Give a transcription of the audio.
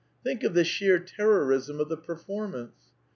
Think of the sheer terrorism of the performance.